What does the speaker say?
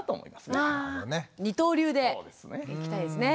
二刀流でいきたいですね。